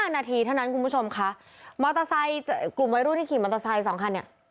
๕นาทีเท่านั้นคุณผู้ชมคะกลุ่มวัยรุ่นนี่ขี่มอเตอร์ไซค์๒คันเนี่ย